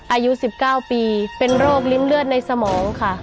อายุ๑๙ปีเป็นโรคลิ้นเลือดในสมองค่ะ